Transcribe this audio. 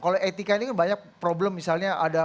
kalau etika ini kan banyak problem misalnya ada